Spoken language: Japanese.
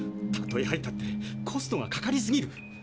たとえ入ったってコストがかかりすぎる。